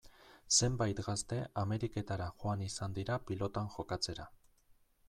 Zenbait gazte Ameriketara joan izan dira pilotan jokatzera.